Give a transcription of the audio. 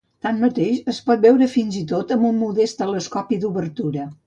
Tanmateix, es pot veure fins i tot amb un modest telescopi d'obertura.